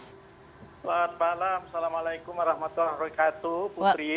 selamat malam assalamualaikum warahmatullahi wabarakatuh putri